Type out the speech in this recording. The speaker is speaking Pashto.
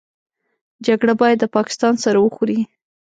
جګړه بايد د پاکستان سر وخوري.